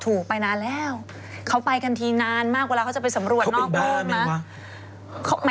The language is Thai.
ไปนานแล้วเขาไปกันทีนานมากเวลาเขาจะไปสำรวจนอกห้องนะ